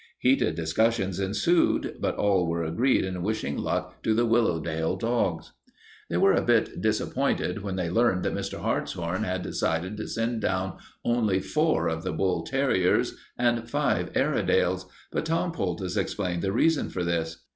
Heated discussions ensued, but all were agreed in wishing luck to the Willowdale dogs. They were a bit disappointed when they learned that Mr. Hartshorn had decided to send down only four of the bull terriers and five Airedales, but Tom Poultice explained the reason for this.